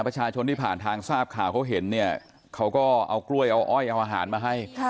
ประชาชนที่ผ่านทางทราบข่าวเขาเห็นเนี่ยเขาก็เอากล้วยเอาอ้อยเอาอาหารมาให้